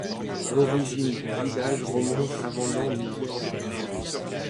L'origine du village remonte avant l'an mille.